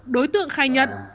đối tượng khai nhận